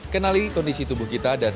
kenali kondisi tubuh kita dan